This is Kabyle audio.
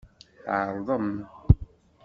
Tɛeṛḍem.